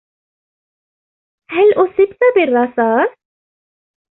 هل أصبت بالرصاص ؟